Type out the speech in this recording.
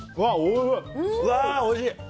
うわ、おいしい。